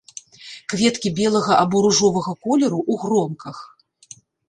Кветкі белага або ружовага колеру, у гронках.